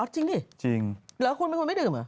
จริงดิหรือคุณไม่ดื่มเหรอ